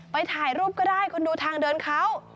ถ่ายรูปก็ได้คุณดูทางเดินเขา